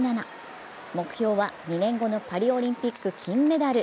目標は２年後のパリオリンピック金メダル。